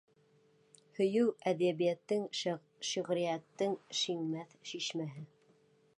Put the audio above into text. Һөйөү — әҙәбиәттең, шиғриәттең шиңмәҫ шишмәһе.